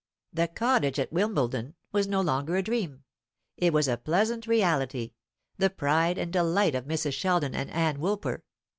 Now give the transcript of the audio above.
The cottage at Wimbledon was no longer a dream. It was a pleasant reality, the pride and delight of Mrs. Sheldon and Ann Woolper.